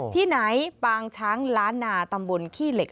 ที่ไหนปางช้างล้านนาตำบลขี้เหล็ก